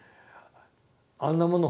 あんなもの